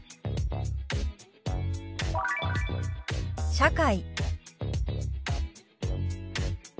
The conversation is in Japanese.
「社会」。